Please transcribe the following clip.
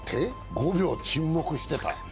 ５秒沈黙してた？